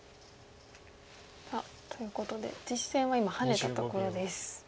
さあということで実戦は今ハネたところです。